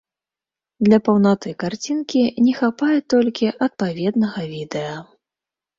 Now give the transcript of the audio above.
Для паўнаты карцінкі не хапае толькі адпаведнага відэа.